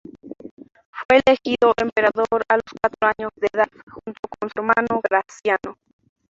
Fue elegido emperador a los cuatro años de edad, junto con su hermanastro Graciano.